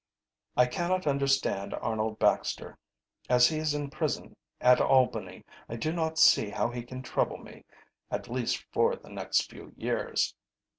I cannot understand Arnold Baxter. As he is in prison at Albany I do not see how he can trouble me, at least for the next few years.